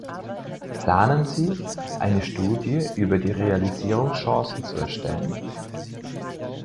Planen Sie, eine Studie über die Realisierungschancen zu erstellen?